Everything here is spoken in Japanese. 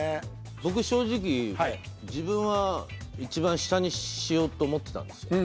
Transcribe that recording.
僕正直自分はいちばん下にしようと思ってたんですよ。